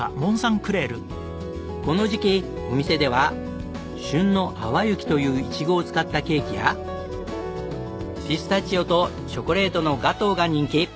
この時期お店では旬の「淡雪」というイチゴを使ったケーキやピスタチオとチョコレートのガトーが人気。